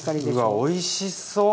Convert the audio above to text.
うわおいしそう。